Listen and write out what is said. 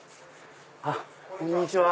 あっこんにちは。